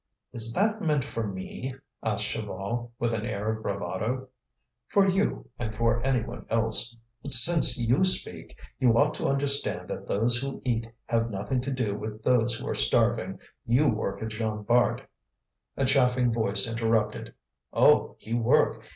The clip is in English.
"Is that meant for me?" asked Chaval, with an air of bravado. "For you, or for any one else. But, since you speak, you ought to understand that those who eat have nothing to do with those who are starving. You work at Jean Bart." A chaffing voice interrupted: "Oh! he work!